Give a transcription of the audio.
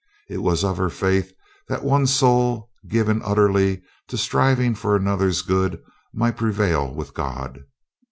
It was of her faith that one soul given utterly to striv ing for another's good might prevail with God.